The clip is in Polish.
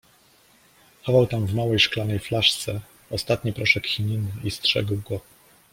Chował tam w małej szklanej flaszce ostatni proszek chininy i strzegł go.